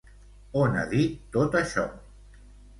On ha dit tot això?